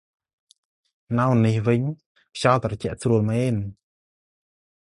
នៅនេះវិញ ខ្យល់ត្រជាក់ស្រួលមែន ។